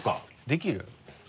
できる？